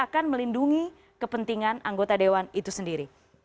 dan itu akan melindungi kepentingan anggota dewan itu sendiri